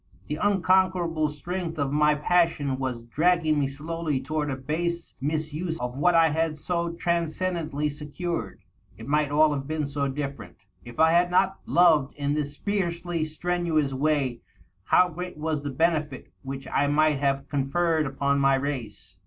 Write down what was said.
The unconquerable strength of my passion was dragging me slowly toward a base misuse of what I had so transcen dently secured. It might all have been so different! If I had not loved in this fiercely strenuous way, how great was the benefit which I might have conferred upon my race